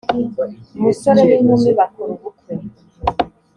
umusore n ‘inkumi bakora ubukwe.